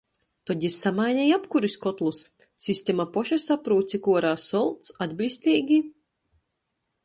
Tod jis samaineja apkuris kotlus — sistema poša saprūt, cik uorā solts, atbiļsteigi